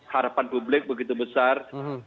harapan publik begitu besar